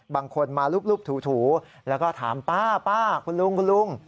บางคนมารูปถูแล้วก็ถามป้าป้าคุณลุงคุณลุง